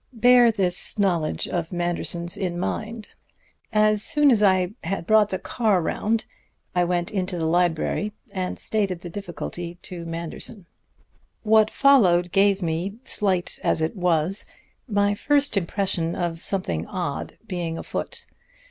Bear this knowledge of Manderson's in mind. "As soon as I had brought the car round I went into the library and stated the difficulty to Manderson. "What followed gave me, slight as it was, my first impression of something odd being afoot.